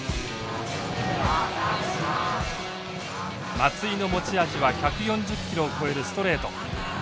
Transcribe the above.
松井の持ち味は１４０キロを超えるストレート。